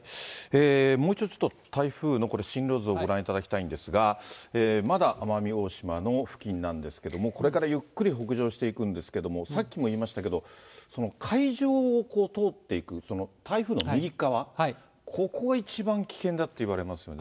もう一度、ちょっと台風の進路図をご覧いただきたいんですが、まだ奄美大島の付近なんですけども、これからゆっくり北上していくんですけれども、さっきも言いましたけど、海上を通っていく、台風の右っ側、ここが一番危険だっていわれますよね。